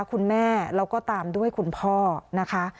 คุณแม่แล้วก็ตามด้วยคุณพ่อนะคะ